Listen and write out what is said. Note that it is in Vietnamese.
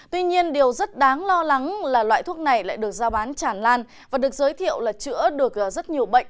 tuy nhiên điều rất đáng lo lắng là loại thuốc này lại được giao bán chản lan và được giới thiệu là chữa được rất nhiều bệnh